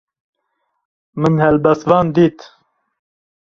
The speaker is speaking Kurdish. Min helbestvan dît.